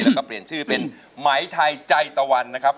แล้วก็เปลี่ยนชื่อเป็นไหมไทยใจตะวันนะครับ